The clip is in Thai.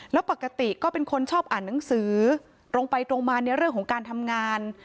แล้วปกติก็เป็นคนชอบอ่านหนังสือตรงไปตรงมาในเรื่องของการทำงาน